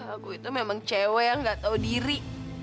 aku itu memang cewek yang nggak tau diri